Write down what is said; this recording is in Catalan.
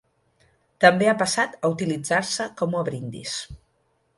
També ha passat a utilitzar-se com a brindis.